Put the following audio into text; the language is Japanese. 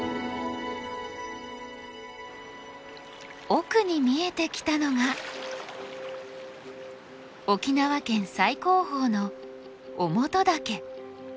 奥に見えてきたのが沖縄県最高峰の於茂登岳。